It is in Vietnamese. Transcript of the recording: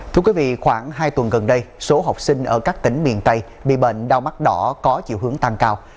thưa quý vị khoảng hai tuần gần đây số học sinh ở các tỉnh miền tây bị bệnh đau mắt đỏ có chiều hướng tăng cao